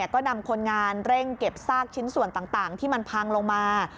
ก็นำคนงานเร่งเก็บซากชิ้นส่วนต่างที่มันพังลงมา